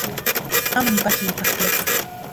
Amo nipaki ijkuak tias.